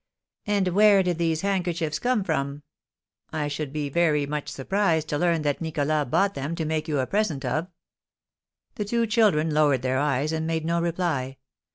"And where did these handkerchiefs come from? I should be very much surprised to learn that Nicholas bought them to make you a present of." The two children lowered their eyes, and made no reply.